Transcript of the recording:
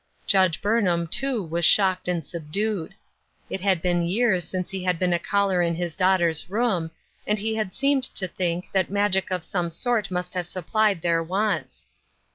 Judge Burnham, too, was shocked and subdued. It had been years since he had been a caller in his daughters' room, and he had seemed to think that magic of some sort must have supplied their wants.